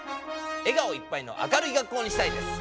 笑顔いっぱいの明るい学校にしたいです！